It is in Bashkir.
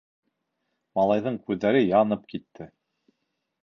Малайҙың күҙҙәре янып китте.